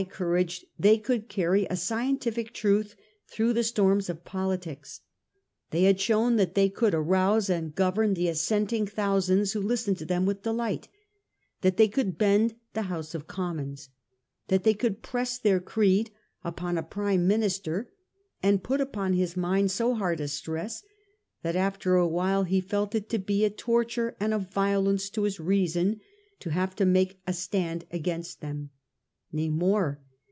courage they could carry a scientific truth through the storms of politics. They had shown that they could arouse and govern the assenting thousands who listened to them with delight — that they could bend the House of Commons — that they could press their creed upon a Prime Minister, and put upon his mind so hard a stress, that after a while he felt it to be a torture and a violence to his reason to have to make a stand against them. Nay more.